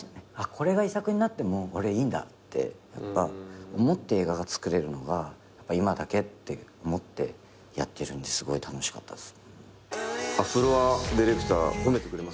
これが遺作になっても俺いいんだってやっぱ思って映画が作れるのが今だけって思ってやってるんですごい楽しかったです。